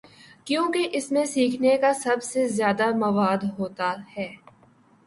کیونکہ اس میں سیکھنے کا سب سے زیادہ مواد ہو تا ہے۔